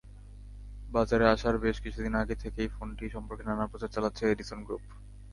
বাজারে আসার বেশ কিছুদিন আগে থেকেই ফোনটি সম্পর্কে নানা প্রচার চালাচ্ছে এডিসন গ্রুপ।